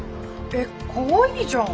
えっかわいいじゃん。